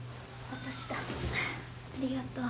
ありがとう。